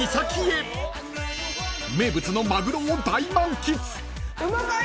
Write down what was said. ［名物のマグロを大満喫］